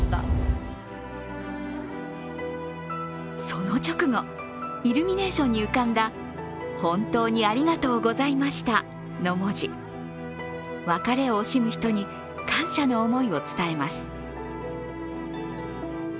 その直後、イルミネーションに浮かんだ「ほんとうにありがとうございました」の文字別れを惜しむ人に感謝の思いを伝えます。